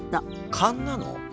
勘なの？